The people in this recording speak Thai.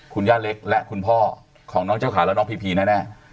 คุณย่าเล็กและคุณพ่อของน้องเจ้าขาและน้องพีพีแน่